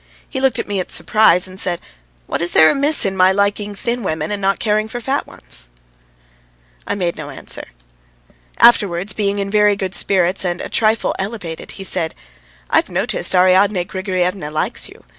He looked at me in surprise and said: "What is there amiss in my liking thin women and not caring for fat ones?" I made no answer. Afterwards, being in very good spirits and a trifle elevated, he said: "I've noticed Ariadne Grigoryevna likes you.